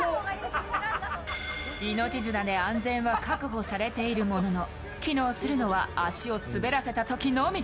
命綱で安全は確保されているものの機能するのは足を滑らせたときのみ。